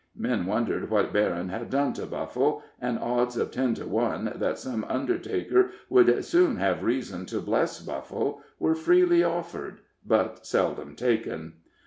Men wondered what Berryn had done to Buffle, and odds of ten to one that some undertaker would soon have reason to bless Buffle were freely offered, but seldom taken.